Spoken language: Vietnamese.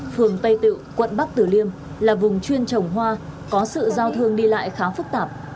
phường tây tiệu quận bắc tử liêm là vùng chuyên trồng hoa có sự giao thương đi lại khá phức tạp